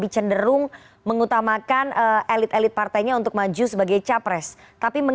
yang ketiga yang paling penting